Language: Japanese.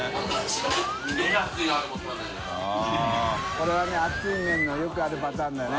これはね熱い麺のよくあるパターンだね。